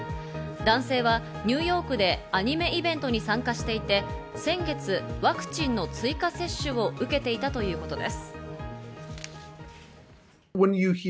男性はニューヨークでアニメイベントに参加していて、先月、ワクチンの追加接種を受けていたということです。